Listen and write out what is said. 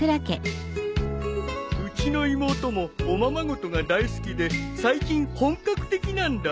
うちの妹もおままごとが大好きで最近本格的なんだ。